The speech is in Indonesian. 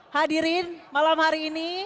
hadirin malam hari ini